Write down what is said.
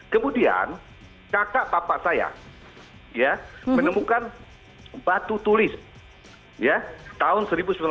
kemudian kakak papa saya menemukan batu tulis tahun seribu sembilan ratus sembilan puluh